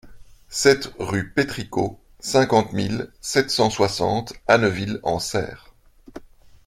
sept rue Pétricot, cinquante mille sept cent soixante Anneville-en-Saire